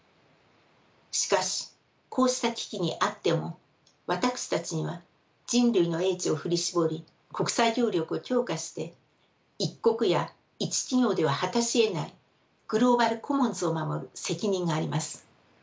しかしこうした危機にあっても私たちには人類の英知を振り絞り国際協力を強化して一国や一企業では果たしえないグローバル・コモンズを守る責任があります。